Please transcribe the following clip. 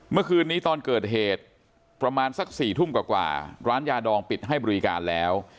เมื่อคืนนี้ตอนเกิดเหตุประมาณสัก๔ทุ่มกว่าร้านยาดองปิดให้บริการแล้ว